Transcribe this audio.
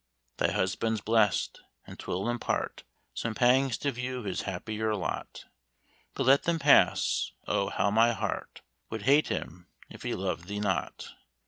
Thy husband's blest and 'twill impart Some pangs to view his happier lot: But let them pass Oh! how my heart Would hate him, if he loved thee not!